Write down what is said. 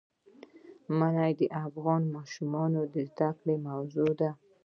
منی د افغان ماشومانو د زده کړې موضوع ده.